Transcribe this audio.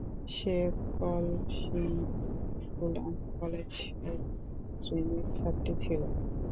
Say Kalsindur school and কলেজের নবম শ্রেণির ছাত্রী ছিল।